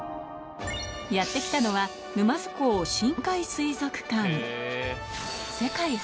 やって来たのは、沼津港深海水族館。